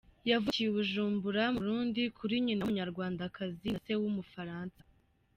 Yavukiye i Bujumbura mu Burundi kuri nyina w’umunyarwandakazi na se w’Umufaransa.